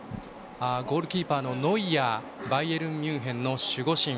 ゴールキーパーのノイアーバイエルンミュンヘンの守護神。